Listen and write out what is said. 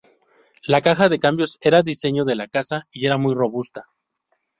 La caja de cambios era diseño de la casa y era muy robusta.